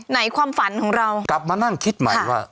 ความฝันของเรากลับมานั่งคิดใหม่ว่า